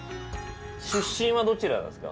出身はどちらですか？